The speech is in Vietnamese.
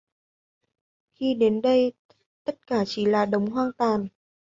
Khi đến đây tất cả chỉ là đống hoang tàn